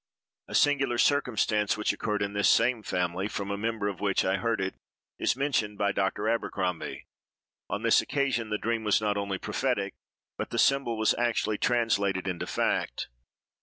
A singular circumstance which occurred in this same family, from a member of which I heard it, is mentioned by Dr. Abercrombie. On this occasion the dream was not only prophetic, but the symbol was actually translated into fact.